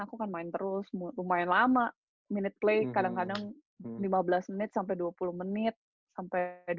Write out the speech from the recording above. aku kan main terus lumayan lama minute play kadang kadang lima belas menit sampai dua puluh menit sampai